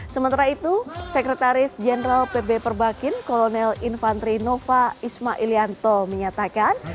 sementara itu sekretaris jenderal pb perbakin kolonel infantri nova ismailto menyatakan